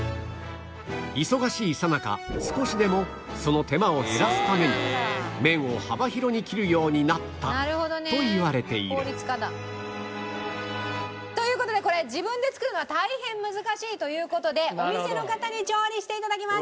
忙しいさなか少しでもその手間を減らすために麺を幅広に切るようになったといわれているという事でこれ自分で作るのは大変難しいという事でお店の方に調理して頂きます。